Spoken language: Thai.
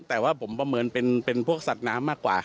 แต่ว่าผมประเมินเป็นพวกสัตว์น้ำมากกว่า